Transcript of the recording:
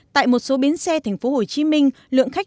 tại một số bến xe tp hcm lượng khách hàng đã bị bắt đầu trở lại